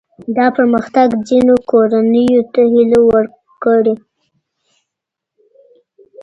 دا پرمختګ ځینو کورنیو ته هیله ورکړې.